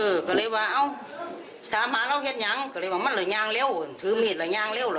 เออก็เลยว่าเอ้าถามหาเราเห็นยังก็เลยว่ามันเหลือยางเร็วถือมีดหรือยางเร็วเหรอ